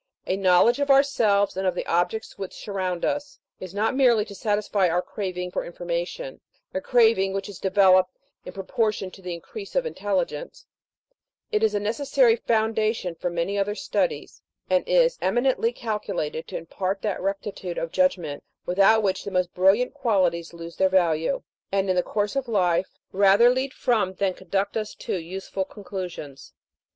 A knowledge of ourselves, and of the objects which surround us, is not merely to satisfy our craving for information a craving which is developed in pro portion to the increase of intelligence : it is a neces sary foundation for many other studies, and is emi nently calculated to impart that rectitude of judg ment without which the most brilliant qualities lose their value, and, in the course of life, rather lead PREFACE. Vli from than conduct us to useful conclusions.